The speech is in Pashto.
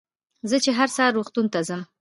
زه چې هر سهار روغتون ته رڅم.